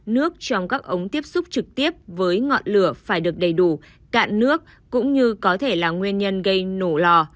nước trong các ống tiếp xúc trực tiếp với ngọn lửa phải được đầy đủ cạn nước cũng như có thể là nguyên nhân gây nổ lò